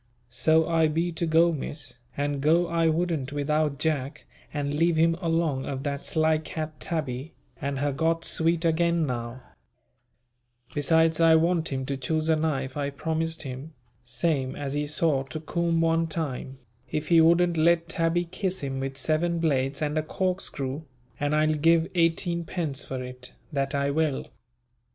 So I be to go Miss; and go I wouldn't without Jack and leave him along of that sly cat Tabby, and her got sweet again now; besides I want him to choose a knife I promised him, same as he saw to Coom one time, if he wouldn't let Tabby kiss him with seven blades and a corkscrew, and I'll give eighteen pence for it, that I will.